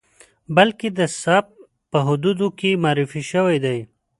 بلکې د سبک په حدودو کې معرفي شوی دی.